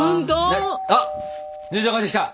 あっ姉ちゃん帰ってきた！